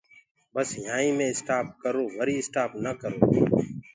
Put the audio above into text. بس يهآنٚ ئي مينٚ اِسٽآپ ڪرو وري اِسٽآپ نآ ڪرو۔